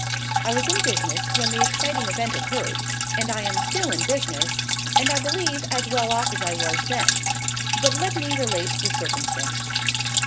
I was in business when the exciting event occurred, and I am still in business, and I believe as well off as I was then. But let me relate the circumstance.